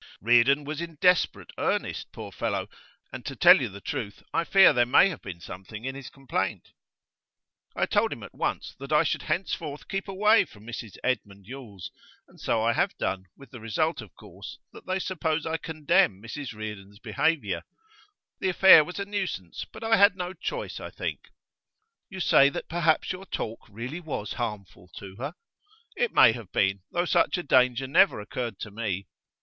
'Reardon was in desperate earnest, poor fellow. And, to tell you the truth, I fear there may have been something in his complaint. I told him at once that I should henceforth keep away from Mrs Edmund Yule's; and so I have done, with the result, of course, that they suppose I condemn Mrs Reardon's behaviour. The affair was a nuisance, but I had no choice, I think.' 'You say that perhaps your talk really was harmful to her.' 'It may have been, though such a danger never occurred to me.